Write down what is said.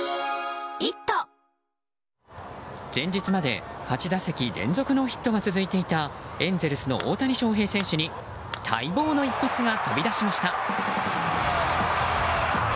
前日まで８打席連続のヒットが続いていたエンゼルスの大谷翔平選手に待望の一発が飛び出しました。